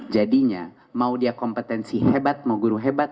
jadinya mau dia kompetensi hebat mau guru hebat